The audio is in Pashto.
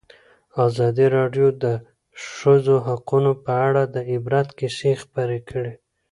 ازادي راډیو د د ښځو حقونه په اړه د عبرت کیسې خبر کړي.